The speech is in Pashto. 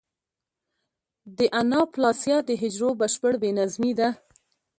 د اناپلاسیا د حجرو بشپړ بې نظمي ده.